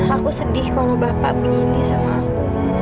aku sedih kalau bapak begini sama aku